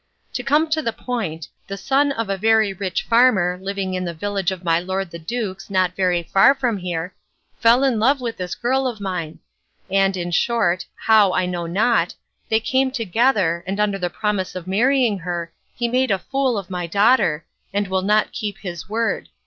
To come to the point, the son of a very rich farmer, living in a village of my lord the duke's not very far from here, fell in love with this girl of mine; and in short, how I know not, they came together, and under the promise of marrying her he made a fool of my daughter, and will not keep his word.